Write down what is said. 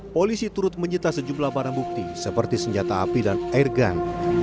polisi turut menyita sejumlah barang bukti seperti senjata api dan airgun